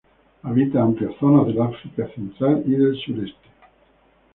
Habita amplias zonas del África central y del sureste.